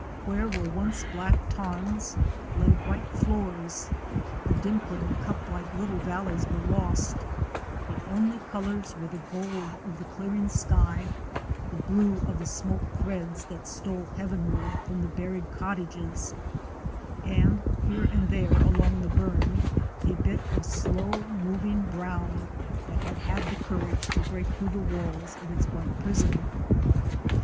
Where were once black tarns, lay white floors; the dim pling, cup like little valleys were lost; the only colors were the gold of the clearing sky, the blue of the smoke threads that stole heavenward from the buried cottages, and here and there, along the burn, a bit of slow moving brown that had had the courage to break through the walls of its white prison.